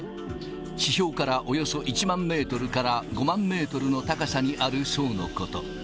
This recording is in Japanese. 地表からおよそ１万メートルから５万メートルの高さにある層のこと。